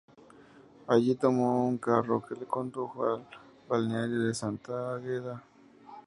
Allí tomó un carro que le condujo al Balneario de Santa Águeda.